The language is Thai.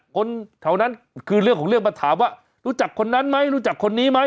คนแถวนั้นคือเรื่องของเรื่องมาถามว่ารู้จักคนนั้นไหมรู้จักคนนี้ไหม